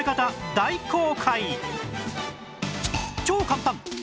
超簡単！